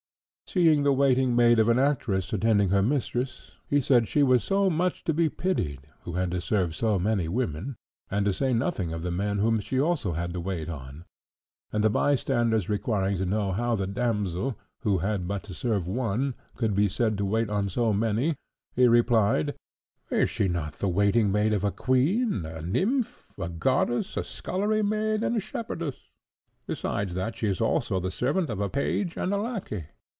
Seeing the waiting maid of an actress attending her mistress, he said she was much to be pitied who had to serve so many women, to say nothing of the men whom she also had to wait on; and the bystanders requiring to know how the damsel, who had but to serve one, could be said to wait on so many, he replied, "Is she not the waiting maid of a queen, a nymph, a goddess, a scullery maid, and a shepherdess? besides that she is also the servant of a page and a lackey?